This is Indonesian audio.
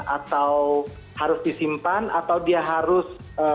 atau harus disimpan atau dia harus